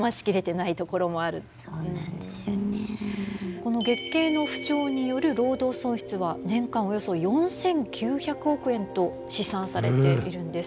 この月経の不調による労働損失は年間およそ４，９００億円と試算されているんです。